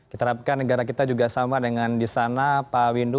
kita harapkan negara kita juga sama dengan di sana pak windu